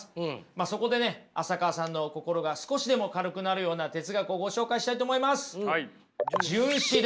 そこでね浅川さんの心が少しでも軽くなるような哲学をご紹介したいと思います。